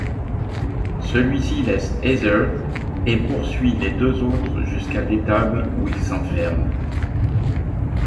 Celui-ci laisse Heather et poursuit les deux autres jusqu'à l'étable où ils s'enferment.